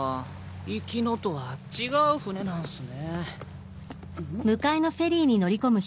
行きのとは違う船なんすね。